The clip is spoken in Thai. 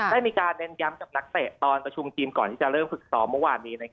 ได้มีการเน้นย้ำกับนักเตะตอนประชุมทีมก่อนที่จะเริ่มฝึกซ้อมเมื่อวานนี้